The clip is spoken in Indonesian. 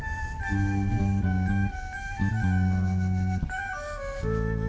dia memerintahruai dan saya ingin menyakaikan serba banyaknya untuk auswji paiva